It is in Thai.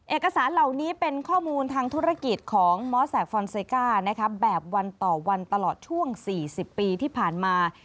เอกสารเหล่านี้เป็นข้อมูลทางธุรกิจของมอสแสกฟอนเซก้าแบบวันต่อวันตลอดช่วง๔๐ปีที่ผ่านมา